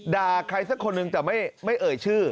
ใครสักคนหนึ่งแต่ไม่เอ่ยชื่อ